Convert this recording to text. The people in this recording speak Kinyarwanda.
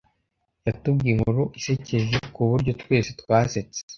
Yatubwiye inkuru isekeje kuburyo twese twasetse